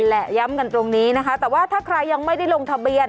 และย้ำกันตรงนี้นะคะแต่ว่าถ้าใครยังไม่ได้ลงทะเบียน